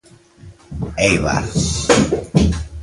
Éibar.